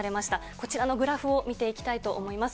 こちらのグラフを見ていきたいと思います。